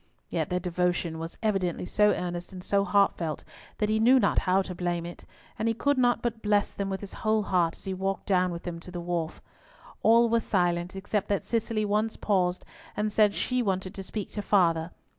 Yet their devotion was evidently so earnest and so heartfelt that he knew not how to blame it, and he could not but bless them with his whole heart as he walked down with them to the wharf. All were silent, except that Cicely once paused and said she wanted to speak to "Father."